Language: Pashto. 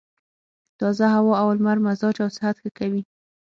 تازه هوا او لمر مزاج او صحت ښه کوي.